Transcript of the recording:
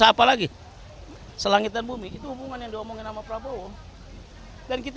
apalagi selangit dan bumi itu hubungan yang diomongin sama prabowo dan kita